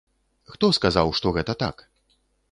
Хто сказаў, што гэта так?